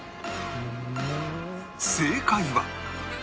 正解は